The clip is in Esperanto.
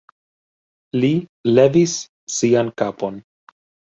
Li levis sian kapon.